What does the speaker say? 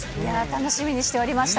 楽しみにしておりました。